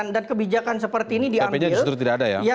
dan kebijakan seperti ini diambil